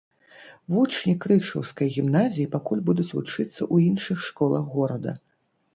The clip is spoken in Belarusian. Вучні крычаўскай гімназіі пакуль будуць вучыцца ў іншых школах горада.